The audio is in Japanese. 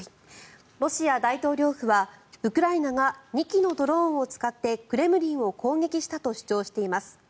ロシア大統領府はウクライナが２機のドローンを使ってクレムリンを攻撃したと主張しています。